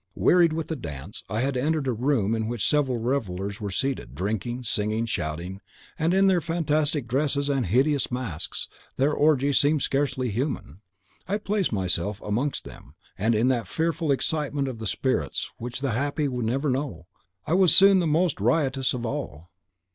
Wearied with the dance, I had entered a room in which several revellers were seated, drinking, singing, shouting; and in their fantastic dresses and hideous masks, their orgy seemed scarcely human. I placed myself amongst them, and in that fearful excitement of the spirits which the happy never know, I was soon the most riotous of all.